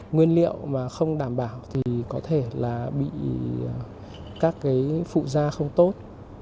nguyên liệu mà không đảm bảo thì có thể là bị các cái phụ da không tốt